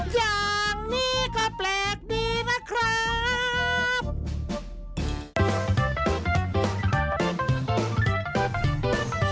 อย่างนี้ก็แปลกดีนะครับ